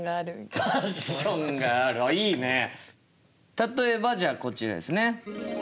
例えばじゃあこちらですね。